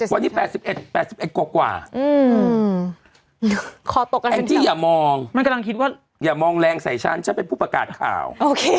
วันนี้๘๑กว่าแอทที่อย่ามองอย่ามองแรงใส่ฉันฉันเป็นผู้ประกาศข่าว